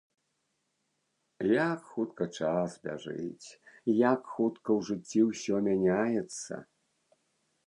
Як хутка час бяжыць, як хутка ў жыцці ўсё мяняецца!